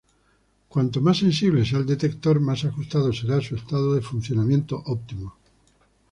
Cuanto más sensible sea el detector, más ajustado será su estado de funcionamiento óptimo.